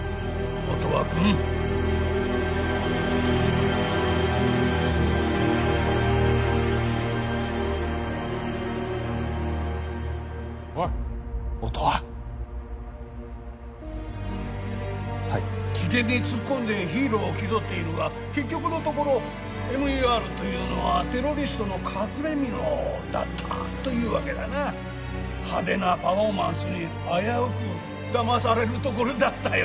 音羽君おい音羽はい危険に突っ込んでヒーローを気取っているが結局のところＭＥＲというのはテロリストの隠れ蓑だったというわけだな派手なパフォーマンスに危うくだまされるところだったよ